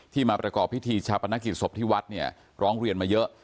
มาประกอบพิธีชาปนกิจศพที่วัดเนี่ยร้องเรียนมาเยอะ